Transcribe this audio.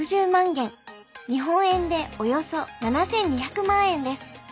日本円でおよそ７，２００万円です。